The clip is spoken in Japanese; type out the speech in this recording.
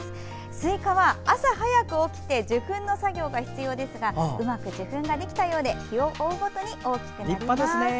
スイカは朝早く起きて授粉の作業が必要ですがうまく授粉ができたようで日を追うごとに大きくなります。